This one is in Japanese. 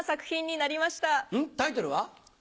タイトルは？